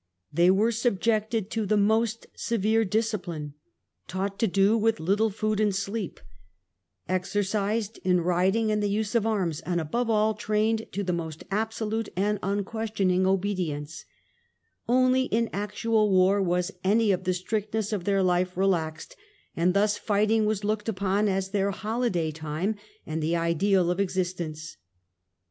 They were subjected to the most severe discipline ; taught to do with little food and sleep, exer cised in riding and the use of arms, and above all trained to the most absolute and unquestioning obedience : only in actual war was any of the strictness of their life re laxed, and thus fighting was looked upon as their holi day time and the ideal of existence.